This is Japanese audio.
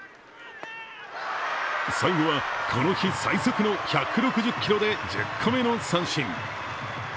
最後はこの日最速の１６０キロで１０個目の三振。